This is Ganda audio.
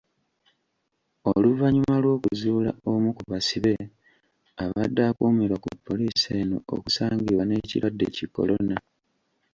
Oluvanyuma lw'okuzuula omu ku basibe abadde akuumirwa ku poliisi eno okusangibwa n'ekirwadde ki Kolona.